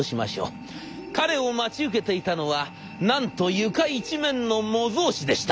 彼を待ち受けていたのはなんと床一面の模造紙でした。